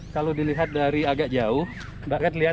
kalau dilihat dari agak jauh mbak kan lihat